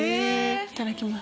いただきます。